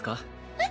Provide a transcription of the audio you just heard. えっ？